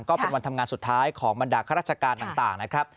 ก็เป็นวันทำงานสุดท้ายของบรรดาข้าราชการต่างนะครับ